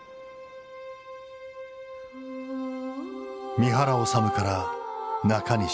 三原脩から中西太。